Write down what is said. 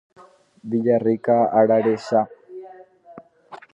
Villarrica ararecha.